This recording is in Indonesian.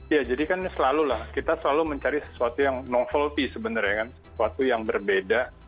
ya jadi kan selalu lah kita selalu mencari sesuatu yang noval fee sebenarnya kan sesuatu yang berbeda